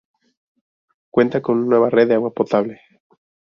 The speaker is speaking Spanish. Cuenta con una nueva red de agua potable.